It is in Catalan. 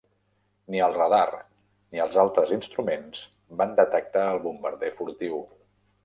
Ni el radar ni els altres instruments van detectar el bombarder furtiu.